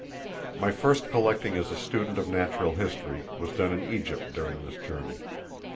My first real collecting as a student of natural history was done in Egypt during this journey.